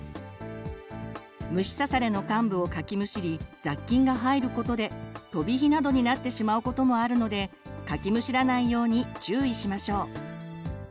虫刺されの患部をかきむしり雑菌が入ることでとびひなどになってしまうこともあるのでかきむしらないように注意しましょう。